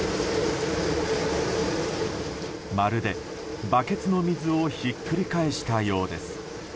まるで、バケツの水をひっくり返したようです。